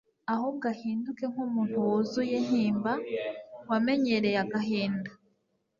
ahubwo ahinduke “nk’Umuntu wuzuye intimba, wamenyereye agahinda,